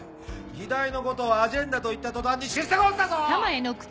議題のことを「アジェンダ」と言った途端に出世コースだぞ！